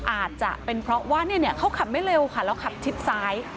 อาจจะเป็นเพราะว่าเขาขับไม่เร็วค่ะแล้วขับชิดซ้าย